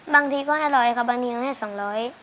บางทีก็ให้ร้อยค่ะบางทีก็ให้สองร้อย